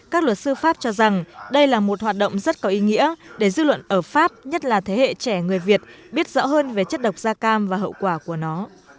các luật sư pháp cho rằng đây là một hoạt động rất có ý nghĩa để dư luận ở pháp nhất là thế hệ trẻ người việt biết rõ hơn về chất độc da cam và hậu quả của nó